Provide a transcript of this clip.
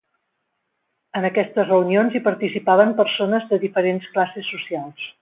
En aquestes reunions hi participaven persones de diferents classes socials.